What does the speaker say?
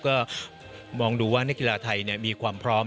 ก็มองดูว่านักกีฬาไทยมีความพร้อม